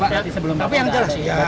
tapi yang jelas ya